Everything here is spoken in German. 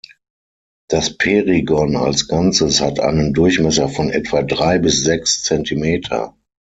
Das Perigon als Ganzes hat einen Durchmesser von etwa drei bis sechs Zentimeter.